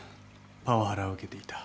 パワハラを受けていた。